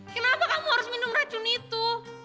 kenapa kamu harus minum racun itu